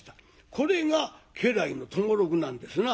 これが家来の友六なんですな。